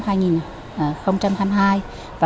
và cái phương pháp thứ hai là